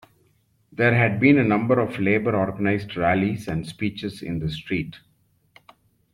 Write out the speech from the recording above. There had been a number of labor-organized rallies and speeches in the street.